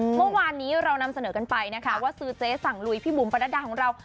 เมื่อวานนี้เรานำเสนอกันไปนะคะว่าซื้อเจ๊สั่งลุยพี่บุ๋มประนัดดาของเรา